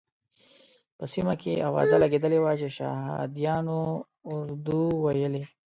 په سیمه کې اوازه لګېدلې وه چې شهادیانو اردو ویلې.